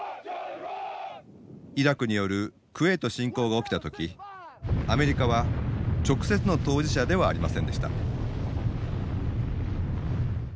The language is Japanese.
イラクによるクウェート侵攻が起きた時アメリカは直接の当事者ではありませんでした。